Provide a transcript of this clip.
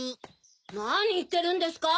なにいってるんですか？